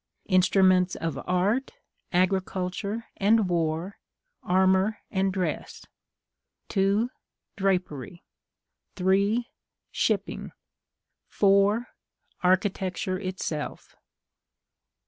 Instruments of art, agriculture, and war; armor, and dress; 2. Drapery; 3. Shipping; 4. Architecture itself.